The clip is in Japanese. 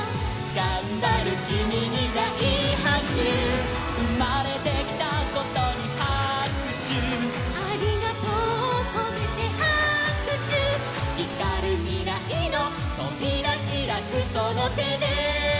「がんばるキミにだいはくしゅ」「うまれてきたことにはくしゅ」「『ありがとう』をこめてはくしゅ」「ひかるみらいのとびらひらくそのてで」